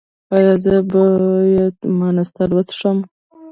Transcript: ایا زه باید مانسټر وڅښم؟